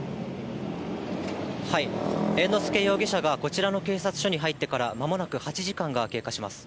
猿之助容疑者がこちらの警察署に入ってからまもなく８時間が経過します。